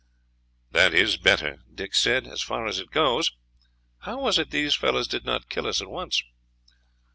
"That is better," Dick said, "as far as it goes. How was it these fellows did not kill us at once?"